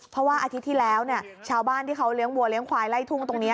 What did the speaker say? เพราะว่าอาทิตย์ที่แล้วชาวบ้านที่เขาเลี้ยงวัวเลี้ยควายไล่ทุ่งตรงนี้